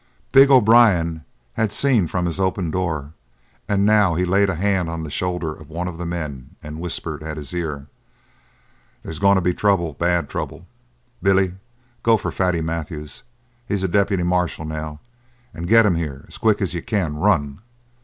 Big O'Brien had seen from his open door and now he laid a hand on the shoulder of one of the men and whispered at his ear: "There's going to be trouble; bad trouble, Billy. Go for Fatty Matthews he's a deputy marshal now and get him here as quick as you can. Run!"